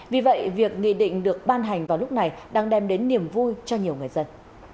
vì vậy việc nghị định được ban hành vào lúc này đang đem đến niềm vui cho nhiều người dân